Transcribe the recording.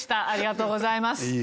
ありがとうございます。